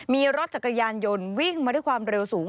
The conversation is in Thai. มีรถจักรยานยนต์วิ่งมาด้วยความเร็วสูง